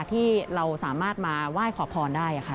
ที่เราสามารถมาไหว้ขอพรได้ค่ะ